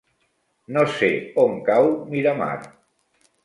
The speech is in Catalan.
No sé on cau Miramar.